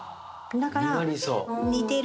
だから。